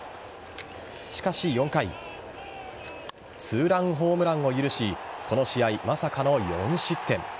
しかし、４回２ランホームランを許しこの試合まさかの４失点。